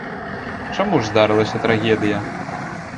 Чаму ж здарылася трагедыя?